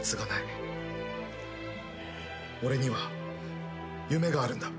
俺には夢があるんだ。